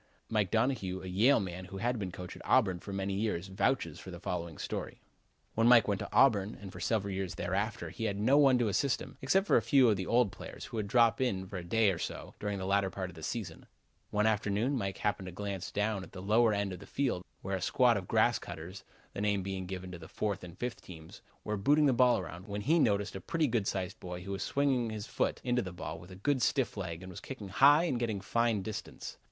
Mike Donohue, a Yale man who had been coach at Auburn for many years, vouches for the following story: When Mike went to Auburn and for several years thereafter he had no one to assist him, except a few of the old players, who would drop in for a day or so during the latter part of the season. One afternoon Mike happened to glance down at the lower end of the field where a squad of grass cutters (the name given to the fourth and fifth teams) were booting the ball around, when he noticed a pretty good sized boy who was swinging his foot into the ball with a good stiff leg and was kicking high and getting fine distance.